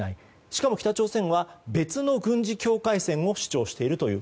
しかも北朝鮮は別の軍事境界線を主張しているという